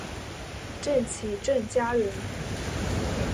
郑琦郑家人。